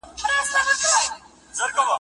ځان په مرګ مګر له دې ځایه پناه کړو